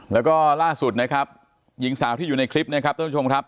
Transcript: แล้วก็ล่าสุดนะครับหญิงสาวที่อยู่ในคลิปนะครับท่านผู้ชมครับ